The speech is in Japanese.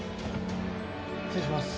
失礼します。